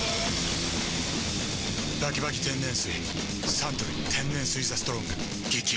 サントリー天然水「ＴＨＥＳＴＲＯＮＧ」激泡